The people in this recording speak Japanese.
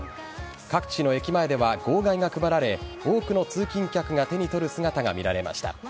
各地の駅前では号外が配られ多くの通勤客が手に取る姿が見られました。